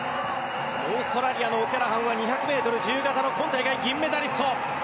オーストラリアのオキャラハンは２００ｍ自由形の今大会銀メダリスト。